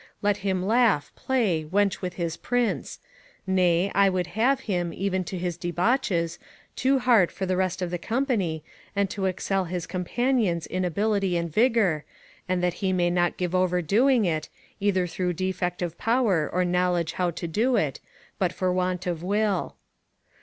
Let him laugh, play, wench with his prince: nay, I would have him, even in his debauches, too hard for the rest of the company, and to excel his companions in ability and vigour, and that he may not give over doing it, either through defect of power or knowledge how to do it, but for want of will.